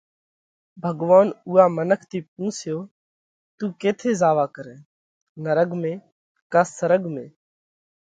ڀڳوونَ اُوئا منک ٿِي پُونسيو: تُون ڪيٿئہ زاوَوا ڪرئه؟ نرڳ ۾ ڪا سرڳ ۾۔